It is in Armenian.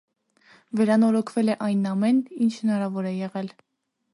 Վերանորոգվել է այն ամենն, ինչ հնարավոր է եղել։